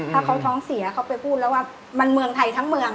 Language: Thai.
ถ้าเขาท้องเสียเขาไปพูดแล้วว่ามันเมืองไทยทั้งเมือง